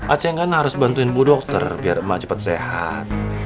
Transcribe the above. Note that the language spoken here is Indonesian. a ceng kan harus bantuin bu dokter biar emak cepet sehat